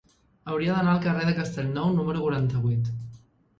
Hauria d'anar al carrer de Castellnou número quaranta-vuit.